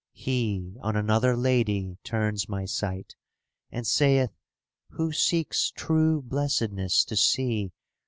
He on another lady turns my sight. And saith, "Who seeks true blessedness to see.